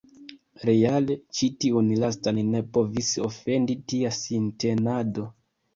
Reale ĉi tiun lastan ne povis ofendi tia sintenado.